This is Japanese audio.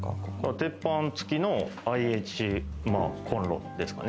鉄板つきのＩＨコンロですかね。